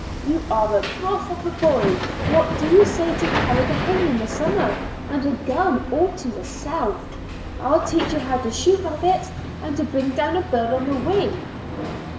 You are a broth of a boy. What do you say to Carrigrohane in the summer, and a gun all to yourself? I'll teach you how to shoot rabbits and to bring down a bird on the wing."